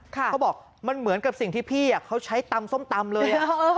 เขาบอกมันเหมือนกับสิ่งที่พี่เขาใช้ตำส้มตำเลย